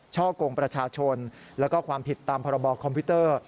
ช่อกงประชาชนแล้วก็ความผิดตามพรบคอมพิวเตอร์